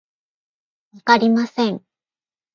わかりません